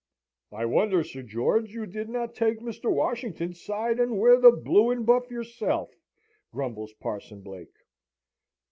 "I wonder, Sir George, you did not take Mr. Washington's side, and wear the blue and buff yourself," grumbles Parson Blake.